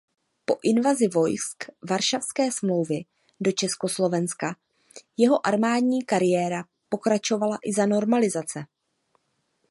Po invazi vojsk Varšavské smlouvy do Československa jeho armádní kariéra pokračovala i za normalizace.